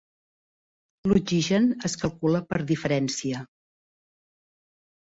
L'oxigen es calcula per diferència.